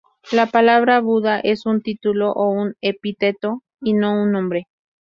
La palabra Buda es un título o un epíteto y no un nombre.